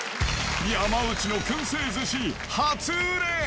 山内のくん製寿司、初売れ！